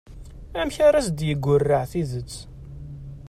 Amek ara as-d-yeggurraɛ tidet?